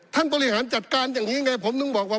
บริหารจัดการอย่างนี้ไงผมถึงบอกว่า